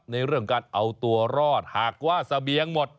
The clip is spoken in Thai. ในเรื่องการเอาตัวรอดหากว่าเสบียงหมด